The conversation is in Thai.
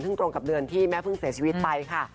ซึ่งตรงกับเดือนที่แม่เพิ่งเสียชีวิตไปค่ะ